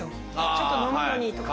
ちょっと飲むのにとか。